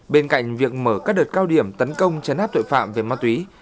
bên cạnh việc mở các đợt cao điểm tấn công chấn áp tội phạm về ma túy